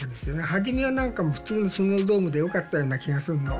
初めは何かもう普通のスノードームでよかったような気がするの。